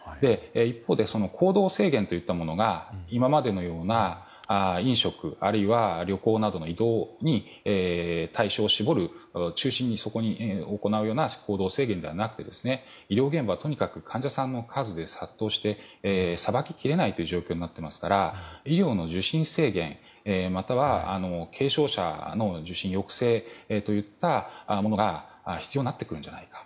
一方で行動制限といったものが今までのような飲食、あるいは旅行などの移動に対象を絞る中心をそこに置くような行動制限ではなくて医療現場はとにかく患者さんが殺到してさばききれない状況になっていますから医療の受診制限、または軽症者の受診抑制といったものが必要になってくるんじゃないか。